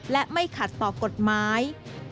และไม่ขัดต่อกฎหมาย